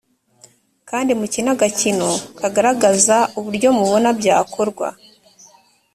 kandi mukine agakino kagaragaza uburyo mubona byakorwa